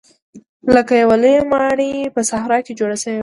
لکه یوه لویه ماڼۍ په صحرا کې جوړه شوې وي.